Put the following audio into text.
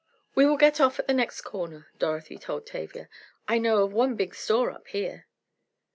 "We will get off at the next corner," Dorothy told Tavia, "I know of one big store up here."